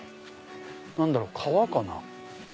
何だろう川かな？